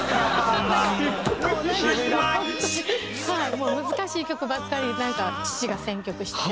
もう難しい曲ばっかりなんか父が選曲して。